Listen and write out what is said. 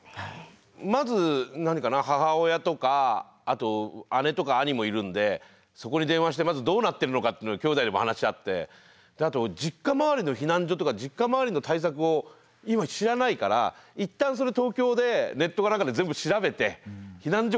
まず何かな母親とかあと姉とか兄もいるんでそこに電話してまずどうなってるのかってのをきょうだいでも話し合ってあと実家周りの避難所とか実家周りの対策を今知らないからいったんそれ東京でネットか何かで全部調べて避難所